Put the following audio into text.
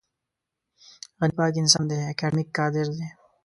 غني پاک انسان دی اکاډمیک کادر دی.